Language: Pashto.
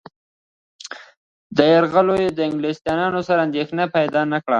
دې یرغلونو له انګلیسيانو سره اندېښنه پیدا نه کړه.